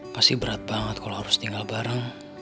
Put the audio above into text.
pasti berat banget kalau harus tinggal bareng